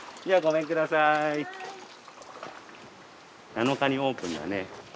７日にオープンだね。